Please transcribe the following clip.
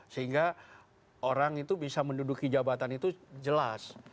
sehingga orang itu bisa menduduki jabatan itu jelas